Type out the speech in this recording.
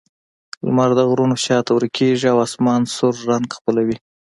لمر د غرونو شا ته ورکېږي او آسمان سور رنګ خپلوي.